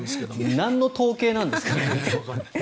なんの統計なんですか？